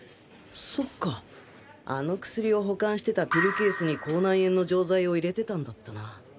そっかあの薬を保管してたピルケースに口内炎の錠剤を入れてたんだったな